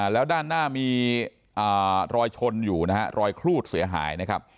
แล้วด้านหน้ามีรอยชนอยู่นะฮะรอยครูดเสียหายนะครับ